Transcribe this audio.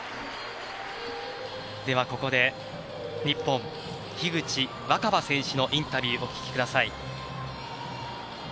ここで、日本樋口新葉選手のインタビューをお聞きください。